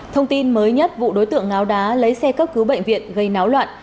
thông tin mới nhất vụ đối tượng ngáo đá lấy xe cấp cứu bệnh viện gây náo loạn